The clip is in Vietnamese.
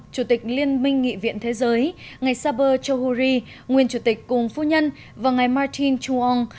chủ tịch liên minh nghị viện thế giới ngày saber chowhuri nguyên chủ tịch cùng phu nhân và ngày martin chuong